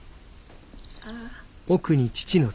ああ。